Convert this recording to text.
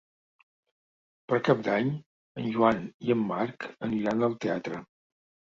Per Cap d'Any en Joan i en Marc aniran al teatre.